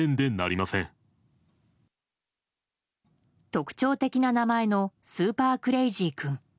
特徴的な名前のスーパークレイジー君。